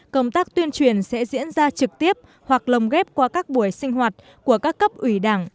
công tác tuyên truyền sẽ diễn ra trực tiếp hoặc lồng ghép qua các buổi sinh hoạt của các cấp ủy đảng